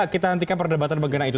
kita hentikan perdebatan mengenai itu